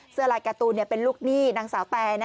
เสื้อลายการ์ตูนเป็นลูกหนี้นางสาวแต